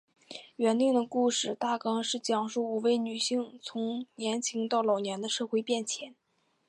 原定的故事大纲是讲述五位女性从年青到老年的社会变迁。